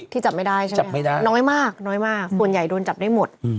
จับไม่ได้ใช่ไหมน้อยมากน้อยมากส่วนใหญ่โดนจับได้หมด